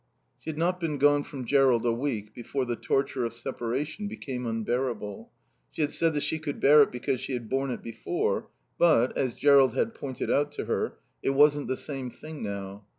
She had not been gone from Jerrold a week before the torture of separation became unbearable. She had said that she could bear it because she had borne it before, but, as Jerrold had pointed out to her, it wasn't the same thing now.